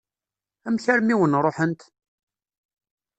Amek armi i wen-ṛuḥent?